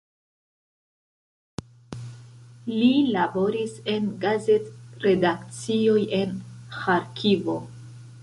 Li laboris en gazet-redakcioj en Ĥarkivo.